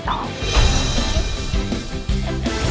ไม่ชอบอะไรจะได้อย่างนั้น